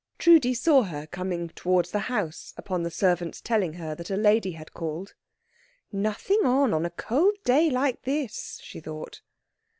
Trudi saw her coming towards the house upon the servant's telling her that a lady had called. "Nothing on, on a cold day like this!" she thought.